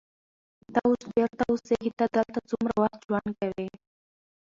ته اوس چیرته اوسېږې؟ ته دلته څومره وخت ژوند کوې؟